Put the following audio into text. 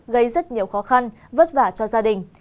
gây rất nhiều khó khăn vất vả cho gia đình